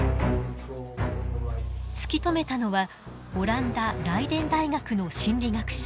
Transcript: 突き止めたのはオランダライデン大学の心理学者